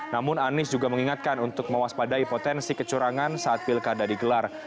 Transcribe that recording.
namun anies juga mengingatkan untuk mewaspadai potensi kecurangan saat pilkada digelar